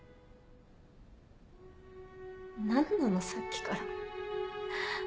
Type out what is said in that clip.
何なのさっきから。